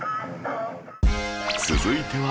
続いては